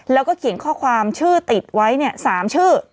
แล้วก็เขียนข้อความชื่อติดไว้๓ชื่อ